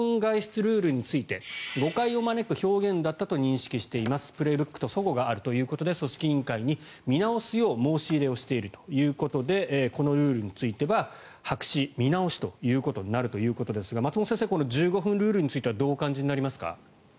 ルールの外出について誤解を招く表現だったと認識しています「プレーブック」と齟齬があるということで組織委員会に見直すよう申し入れをしているということでこのルールについては白紙見直しとなるということですが松本先生この１５分ルールはどうお感じになりますか？